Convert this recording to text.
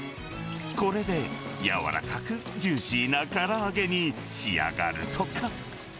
これで柔らかくジューシーなから揚げに仕上がるとか。